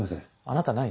あなた何？